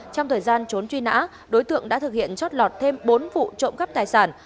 trong thời gian trốn truy nã đối tượng đã thực hiện chót lọt thêm bốn vụ trộm cắp tài sản